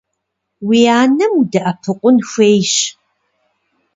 Уи анэм удэӏэпыкъун хуейщ.